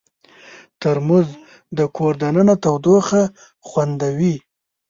ترموز د کور دننه تودوخه خوندوي.